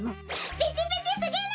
ピチピチすぎる！